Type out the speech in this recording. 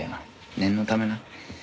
念のためな。